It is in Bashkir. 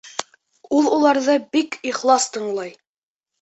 Ул уларҙы бик ихлас тыңлай.